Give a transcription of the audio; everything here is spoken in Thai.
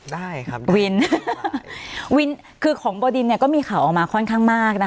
ได้ครับวินวินคือของบ่อดินเนี่ยก็มีข่าวออกมาค่อนข้างมากนะคะ